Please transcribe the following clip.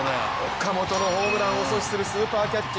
岡本のホームランを阻止する、スーパーキャッチ。